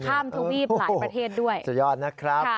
ท่ามทุ่มหี้บหลายประเทศด้วยค่ะสุดยอดนะครับ